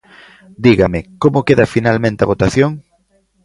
Dígame, ¿como queda finalmente a votación?